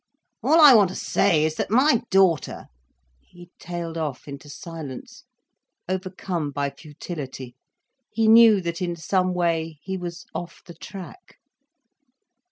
All I want to say is that my daughter"—he tailed off into silence, overcome by futility. He knew that in some way he was off the track.